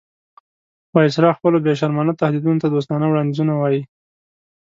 وایسرا خپلو بې شرمانه تهدیدونو ته دوستانه وړاندیزونه وایي.